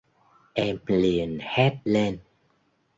em liền hét lên